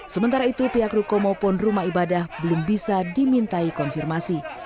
sementara itu pihak ruko maupun rumah ibadah belum bisa dimintai konfirmasi